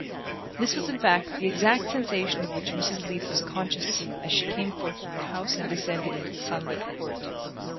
This was in fact the exact sensation of which Mrs. Leath was conscious as she came forth from the house and descended into the sunlit court.